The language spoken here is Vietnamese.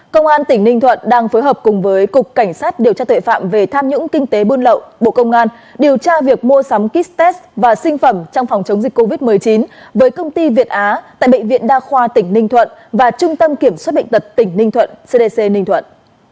công an tỉnh ninh thuận đang phối hợp cùng với cục cảnh sát điều tra tuệ phạm về tham nhũng kinh tế buôn lậu bộ công an điều tra việc mua sắm kit test và sinh phẩm trong phòng chống dịch covid một mươi chín với công ty việt á tại bệnh viện đa khoa tỉnh ninh thuận và trung tâm kiểm soát bệnh tật tỉnh ninh thuận cdc ninh thuận